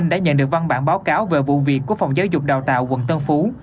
đã nhận được văn bản báo cáo về vụ việc của phòng giáo dục đào tạo quận tân phú